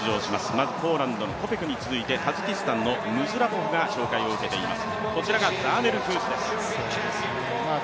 まずポーランドのコペクに続いて、タジキススタンのムズラポフが紹介されています。